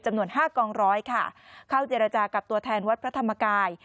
จำนวน๕กองร้อยค่ะเข้าเจรจากับตัวแทนวัดพระธรรมกาย